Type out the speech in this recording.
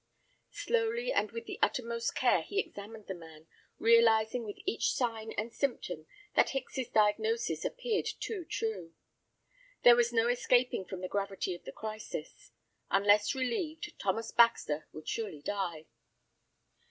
Slowly and with the uttermost care he examined the man, realizing with each sign and symptom that Hicks's diagnosis appeared too true. There was no escaping from the gravity of the crisis. Unless relieved, Thomas Baxter would surely die.